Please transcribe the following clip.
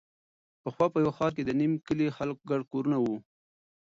پخوا په یوه ښاره کې د نیم کلي د خلکو ګډ کورونه وو.